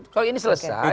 kalau ini selesai